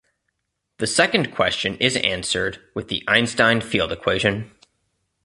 The second question is answered with the Einstein field equation.